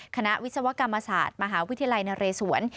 คณะวิศวกรรมอาสาธิ์มหาวิทยาลัยณเรศวร์